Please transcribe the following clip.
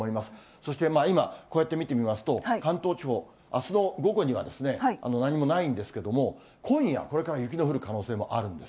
そして今、こうやって見てみますと、関東地方、あすの午後には何もないんですけども、今夜これから雪の降る可能性もあるんです。